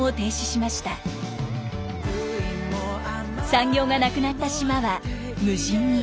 産業がなくなった島は無人に。